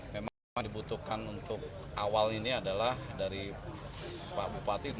memang dibutuhkan untuk awal ini adalah dari pak bupati